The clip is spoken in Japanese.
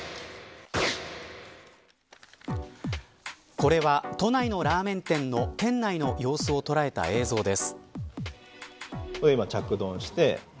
これは都内のラーメン店の店内の様子を捉えた映像です。